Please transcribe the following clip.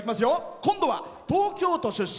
今度は東京都出身。